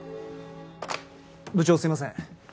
部長すいません。